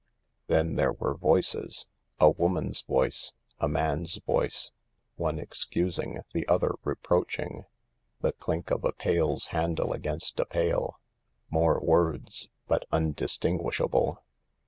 Then there were voices . A woman 's voice . A man 's voice . One excusing, the other reproaching. The clink of a pail's handle against a pail. More words, but undistinguishable.